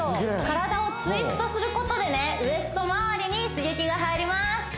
体をツイストすることでねウエストまわりに刺激が入ります